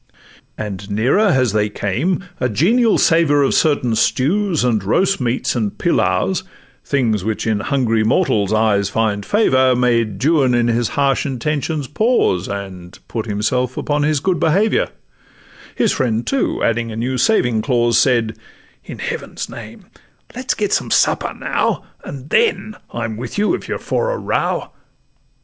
And nearer as they came, a genial savour Of certain stews, and roast meats, and pilaus, Things which in hungry mortals' eyes find favour, Made Juan in his harsh intentions pause, And put himself upon his good behaviour: His friend, too, adding a new saving clause, Said, 'In Heaven's name let's get some supper now, And then I'm with you, if you're for a row.